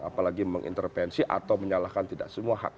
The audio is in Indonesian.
apalagi mengintervensi atau menyalahkan tidak semua hak